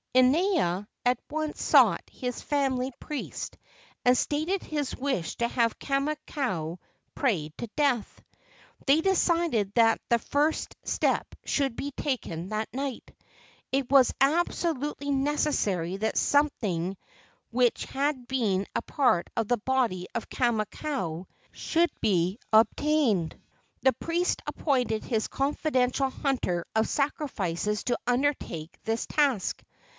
Inaina at once sought his family priest and stated his wish to have Kamakau prayed to death. They decided that the first step should be taken that night. It was abso¬ lutely necessary that something which had been a part of the body of Kamakau should be ob THE OLD MAN OF THE MOUNTAIN 79 tained. The priest appointed his confidential hunter of sacrifices to undertake this task.